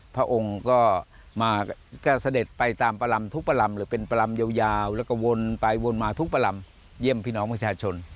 พระองค์ก็มาก็เสด็จไปตามประลำทุกประลำหรือเป็นประลำยาวแล้วก็วนไปวนมาทุกประลำเยี่ยมพี่น้องประชาชน